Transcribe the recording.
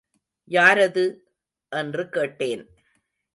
யாரது? என்று கேட்டேன்.